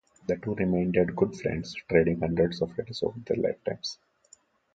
The two remained good friends, trading hundreds of letters over their lifetimes.